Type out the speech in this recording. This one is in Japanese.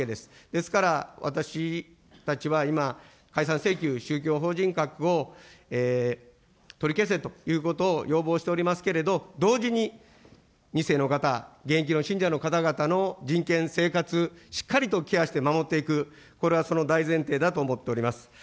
ですから、私たちは今、解散請求、宗教法人格を取り消せということを要望しておりますけれども、同時に、２世の方、現役の信者の方々の人権、生活、しっかりとケアして守っていく、これはその大前提だと思っております。